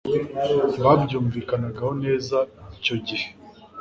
ntibabyumvikanaho neza, cyo gihe